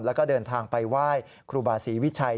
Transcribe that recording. แล้วก็เดินทางไปไหว้ครูบาศรีวิชัย